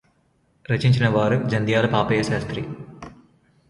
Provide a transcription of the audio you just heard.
రచించినవారు Jandhyala Papayya Sastry